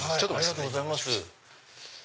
ありがとうございます。